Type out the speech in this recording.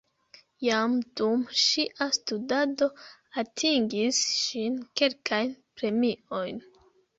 Jam dum ŝia studado atingis ŝi kelkajn premiojn.